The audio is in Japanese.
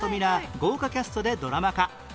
豪華キャストでドラマ化